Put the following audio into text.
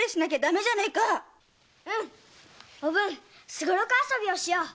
すごろく遊びをしよう！